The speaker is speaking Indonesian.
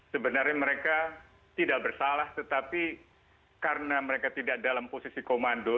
sebenarnya mereka tidak bersalah tetapi karena mereka tidak dalam posisi komando